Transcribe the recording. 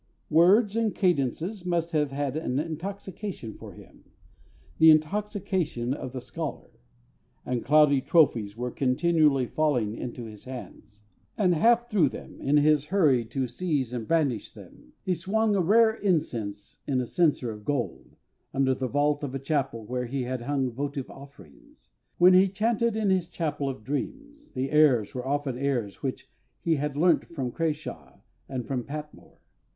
_ Words and cadences must have had an intoxication for him, the intoxication of the scholar; and "cloudy trophies" were continually falling into his hands, and half through them, in his hurry to seize and brandish them. He swung a rare incense in a censer of gold, under the vault of a chapel where he had hung votive offerings. When he chanted in his chapel of dreams, the airs were often airs which he had learnt from CRASHAW and from PATMORE.